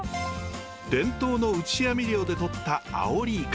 伝統の打ち網漁でとったアオリイカ。